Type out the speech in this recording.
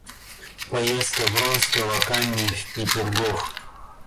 Поездка Вронского к Анне в Петергоф.